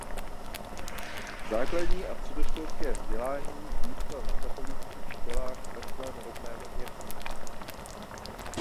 Základní a středoškolské vzdělání získal na katolických školách ve svém rodném městě.